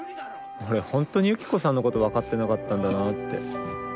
ホントにユキコさんのこと分かってなかったんだなって。